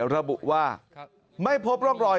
ระบุว่าไม่พบร่องรอย